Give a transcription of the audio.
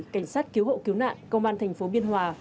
cảnh sát cứu hộ cứu nạn công an thành phố biên hòa